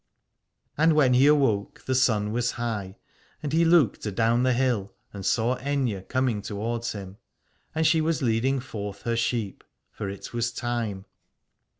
And when he awoke the sun was high, and he looked adown the hill and saw Aithne coming towards him, and she was leading forth her sheep, for it was time.